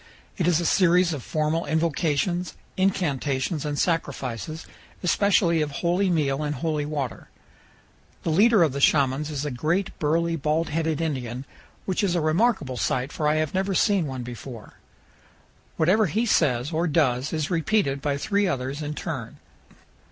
It is a series of formal invocations, incantations, and sacrifices, especially of holy meal and holy water. The leader of the Shamans is a great burly bald headed Indian, which is a remarkable OVER THE RIVER. 339 powell canyons 210.jpg PRAYING FOR RAIN. sight, for I have never seen one before. Whatever he says or does is repeated by three others in turn.